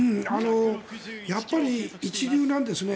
やっぱり一流なんですね。